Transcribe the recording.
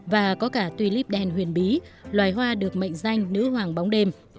và có cả tulip đen huyền bí loài hoa được mệnh danh nữ hoàng bóng đêm